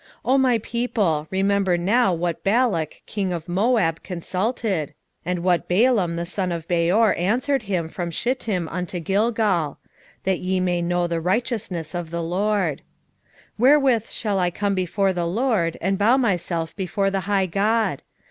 6:5 O my people, remember now what Balak king of Moab consulted, and what Balaam the son of Beor answered him from Shittim unto Gilgal; that ye may know the righteousness of the LORD. 6:6 Wherewith shall I come before the LORD, and bow myself before the high God?